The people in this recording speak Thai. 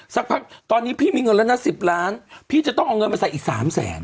สักพักตอนนี้พี่มีเงินแล้วนะ๑๐ล้านพี่จะต้องเอาเงินมาใส่อีก๓แสน